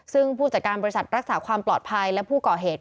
ซึ่งผู้จัดการบริษัทรักษาความปลอดภัยและผู้ก่อเหตุ